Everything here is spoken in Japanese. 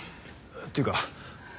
っていうかな